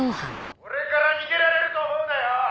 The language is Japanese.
「俺から逃げられると思うなよ！」